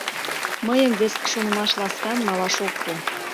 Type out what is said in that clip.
— Мыйым вес шонымаш ласкан малаш ок пу.